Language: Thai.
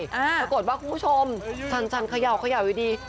ปรากฏว่าคุณผู้ชมจันเขย่าอยู่ดี